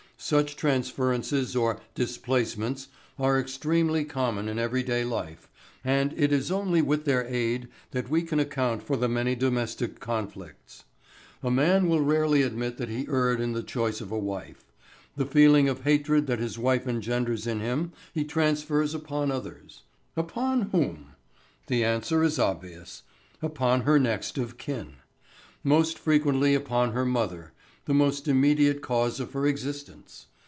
Such transferences or "displacements" are extremely common in everyday life, and it is only with their aid that we can account for the many domestic conflicts. A man will rarely admit that he erred in the choice of a wife. The feeling of hatred that his wife engenders in him he transfers upon others. Upon whom? The answer is obvious. Upon her next of kin. Most frequently upon her mother, the most immediate cause of her existence.